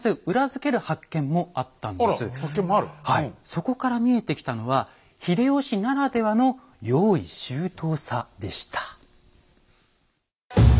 そこから見えてきたのは秀吉ならではの用意周到さでした。